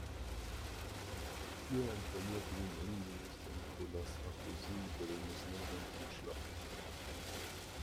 Hier informierte ihn Innenminister Nicolas Sarkozy über den misslungenen Anschlag.